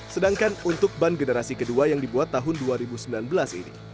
sedangkan untuk ban generasi kedua yang dibuat tahun dua ribu sembilan belas ini